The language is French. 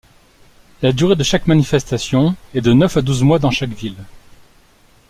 La durée de chaque manifestation est de neuf à douze mois dans chaque ville.